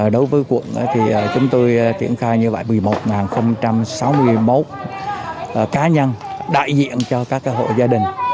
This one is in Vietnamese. đối với quận thì chúng tôi triển khai như vậy một mươi một sáu mươi một cá nhân đại diện cho các hộ gia đình